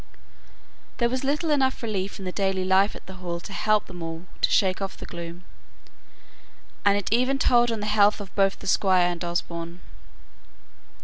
There was little enough relief in the daily life at the Hall to help them all to shake off the gloom; and it even told on the health of both the Squire and Osborne.